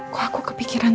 kok aku kepikiran